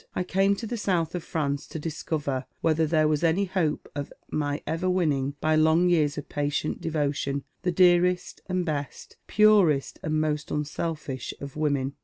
I came to the south of France to discover whether there was any hope of my ever winning, by long years of patient devotion, the dearest and best, purest and most unselfish of women.